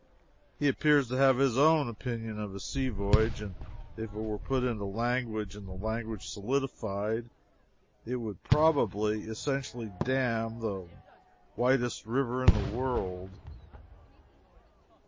He appears to have his own opinion of a sea voyage, and if it were put into language and the language solidified, it would probably essentially dam the widest river in the world.